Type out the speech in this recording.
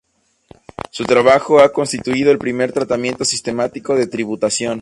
Su trabajo ha constituido el primer "tratamiento sistemático de tributación'.